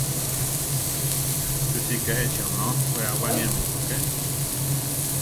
¿Chú sika échi onó we aʼwániámi upúke?